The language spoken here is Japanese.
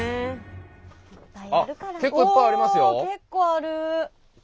結構ある！